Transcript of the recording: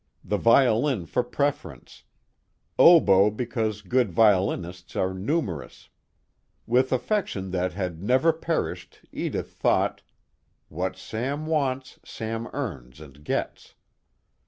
The violin for preference, oboe because good violinists are numerous. With affection that had never perished, Edith thought: _What Sam wants, Sam earns and gets.